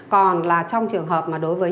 còn là trong trường hợp mà đối với